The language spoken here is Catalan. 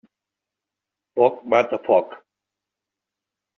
Foc mata foc.